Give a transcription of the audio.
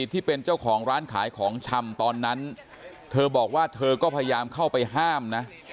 ที่เป็นเจ้าของร้านขายของชำตอนนั้นเธอบอกว่าเธอก็พยายามเข้าไปห้ามนะ